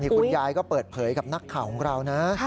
คุณยายก็เปิดเผยกับนักข่าวของเรานะ